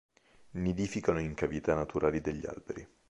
Nidificano in cavità naturali degli alberi.